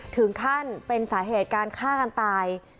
ถึงขั้นเป็นสาเหตุการฆ่ากันตาย